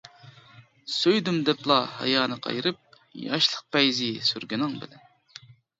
سۆيدۈم دەپلا ھايانى قايرىپ، ياشلىق پەيزى سۈرگىنىڭ بىلەن.